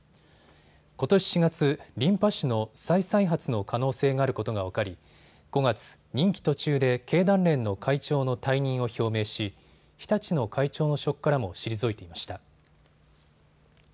ことし４月、リンパ腫の再々発の可能性があることが分かり５月、任期途中で経団連の会長の退任を表明し日立の会長の職からも退いていました。